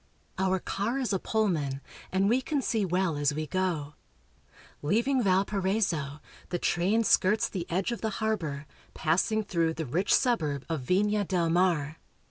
Our car is a Pullman, and we can see well as we go. Leaving Valparaiso, the train skirts the edge of the harbor, passing through the rich suburb of Vina del Mar.